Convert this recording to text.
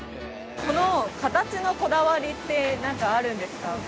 この形のこだわりって何かあるんですか？